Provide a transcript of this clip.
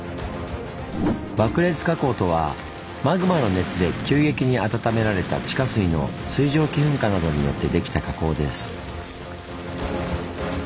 「爆裂火口」とはマグマの熱で急激に温められた地下水の水蒸気噴火などによって出来た火口です。